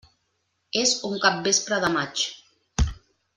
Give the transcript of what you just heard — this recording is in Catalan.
És un capvespre de maig.